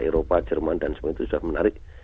eropa jerman dan sebagainya itu sudah menarik